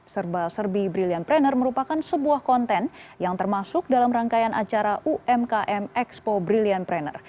serba serbi brilliant pranner merupakan sebuah konten yang termasuk dalam rangkaian acara umkm expo brilliant pranner